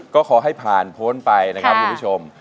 ก็ขอให้ผ่านพ้นไปนะครับคุณผู้ชม